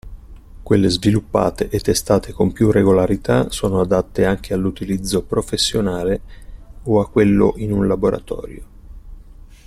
Quelle sviluppate e testate con più regolarità sono adatte anche all'utilizzo professionale o a quello in un laboratorio.